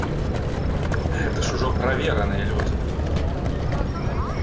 Гэта ж ужо правераныя людзі!